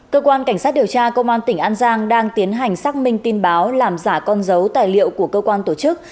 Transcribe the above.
cơ quan cảnh sát điều tra công an tỉnh an giang đang tiến hành xác minh tin báo làm giả con dấu tài liệu của cơ quan tổ chức